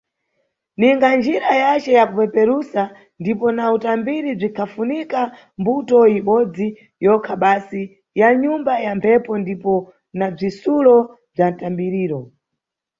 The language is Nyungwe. Ninga njira yace ya kupeperusa ndipo na utambiri bzikhafunika mbuto ibodzi yokha basi ya nyumba ya mphepo ndipo na bzitsulo bza mtambiriro.